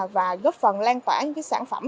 và góp phần lan tỏa những sản phẩm